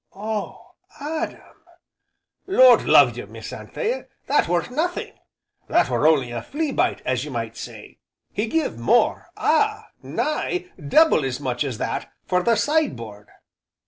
"Oh, Adam!" "Lord love you, Miss Anthea! that weren't nothing, that were only a flea bite, as you might say, he give more ah! nigh double as much as that for the side board."